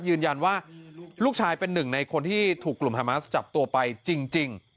ยืนยันว่าลูกชายเป็นหนึ่งในคนที่ถูกกลุ่มฮามาสจับตัวไปจริง